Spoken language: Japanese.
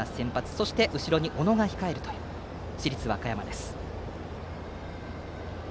そして、後ろに小野が控える市立和歌山です。